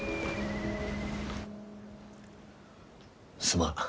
すまん。